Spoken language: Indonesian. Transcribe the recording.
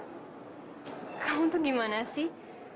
kamu itu gimana sih